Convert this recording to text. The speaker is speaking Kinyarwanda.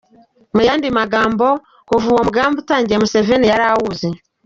Mu yandi magambo, kuva uwo mugambi utangiye Museveni yari awuzi.